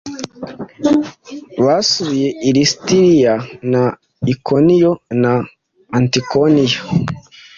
basubiye i Lisitira na Ikoniyo na Antiyokiya,